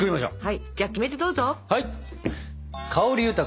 はい！